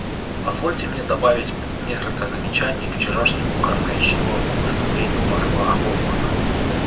Позвольте мне добавить несколько замечаний к вчерашнему красноречивому выступлению посла Хоффмана.